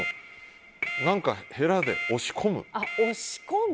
へらで押し込む。